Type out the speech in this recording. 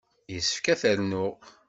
Yessefk ad t-rnuɣ.